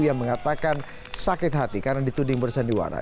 yang mengatakan sakit hati karena dituding bersandiwara